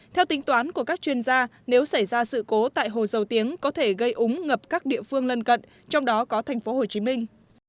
theo tính toán của các chuyên gia nếu xảy ra sự cố tại hồ dầu tiếng có thể gây úng ngập các địa phương lân cận trong đó có thành phố hồ chí minh